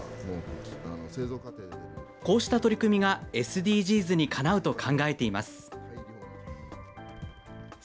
こうした取り組みがＳＤＧｓにかなうと考えています。